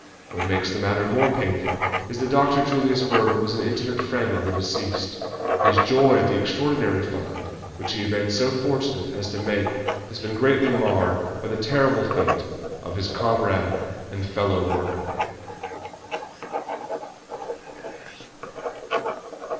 What makes the matter more painful is that Dr. Julius Burger was an intimate friend of the deceased. His joy at the extraordinary find which he has been so fortunate as to make has been greatly marred by the terrible fate of his comrade and fellow worker."